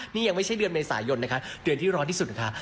นี่ยังไม่ใช่เดือนเมษายนนะคะเดือนที่ร้อนที่สุดนะคะ